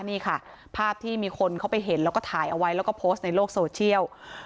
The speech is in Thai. นี่ค่ะภาพที่มีคนเขาไปเห็นแล้วก็ถ่ายเอาไว้แล้วก็โพสต์ในโลกโซเชียล